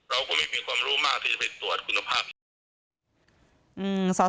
เราก็ไม่มีความรู้มากที่จะไปตรวจคุณภาพชีวิต